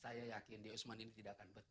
saya yakin diusman ini tidak akan betah